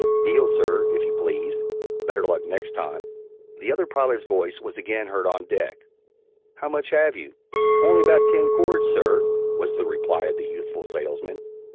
(Deal, sir, if you please; better luck next time.)" The other pilot's voice was again heard on deck: "How much have you?" "Only about ten cords, sir," was the reply of the youthful salesman.